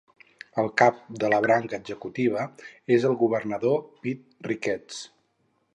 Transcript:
El cap de la branca executiva és el Governador Pete Ricketts.